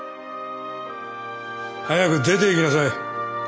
早く出ていきなさい。